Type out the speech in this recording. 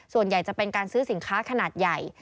ส่วนใหญ่จะเป็นการซื้อสินค้าขนาดใหญ่